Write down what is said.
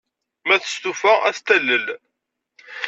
Ma testufa, ad t-talel.